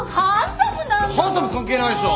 ハンサム関係ないでしょ。